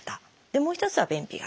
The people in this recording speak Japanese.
もう一つは「便秘型」。